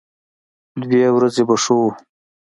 دوه درې ورځې به ښه و.